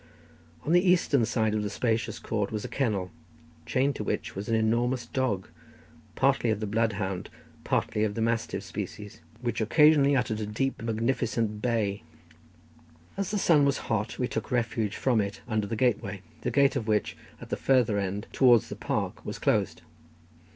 On the eastern side of the spacious court was a kennel, chained to which was an enormous dog, partly of the bloodhound, partly of the mastiff species, who occasionally uttered a deep magnificent bay. As the sun was hot we took refuge from it under the gateway, the gate of which, at the farther end, towards the park, was closed.